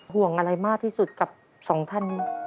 ห่วงอะไรมากที่สุดกับสองท่านนี้